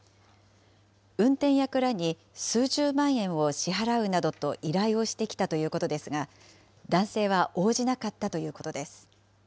運転役らに数十万円を支払うなどと依頼をしてきたということですが、男性は応じなかったということです。